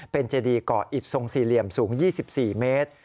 เป็นเจดีเกาะอิตทรงสี่เหลี่ยมสูง๒๔เมตร